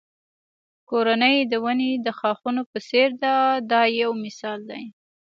کورنۍ د ونې د ښاخونو په څېر ده دا یو مثال دی.